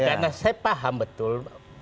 karena saya paham betul